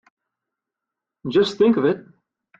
Just think of it!